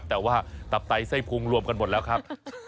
แต่ว่าตับไตไส้พุงรวมกันหมดแล้วครับ